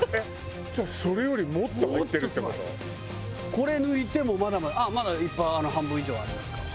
これ抜いてもまだまだ「まだいっぱい半分以上ありますから」